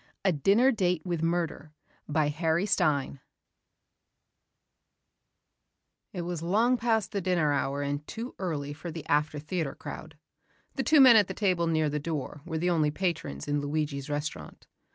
A DINNER DATE WITH MURDER by HARRY STEIN It was long past the dinner hour and too early for the after theatre crowd. The two men at the table near the door were the only patrons in Luigi's restaurant.